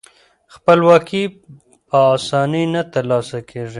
خپلواکي په اسانۍ نه ترلاسه کیږي.